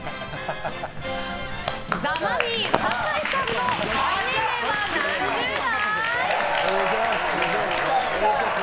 ザ・マミィ酒井さんの肺年齢は何十代？